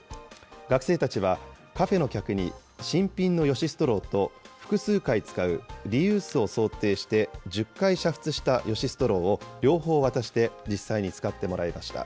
学生たちは、カフェの客に新品のヨシストローと、複数回使うリユースを想定して、１０回煮沸したヨシストローを両方渡して、実際に使ってもらいました。